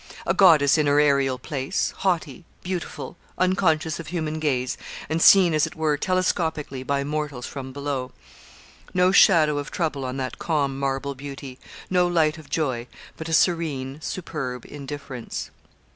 A goddess in her aerial place, haughty, beautiful, unconscious of human gaze, and seen as it were telescopically by mortals from below. No shadow of trouble on that calm marble beauty, no light of joy, but a serene superb indifference.